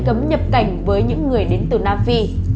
cấm nhập cảnh với những người đến từ nam phi